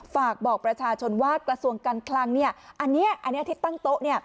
ฝากบอกประชาชนว่ากระทรวงการคลังอันนี้ที่ตั้งโต๊ะ